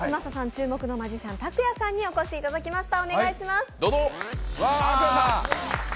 注目のマジシャン・ＴＡＫＵＹＡさんにお越しいただきました。